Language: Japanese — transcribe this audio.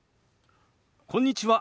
こんにちは。